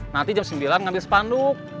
nanti jam sembilan ngambil sepanduk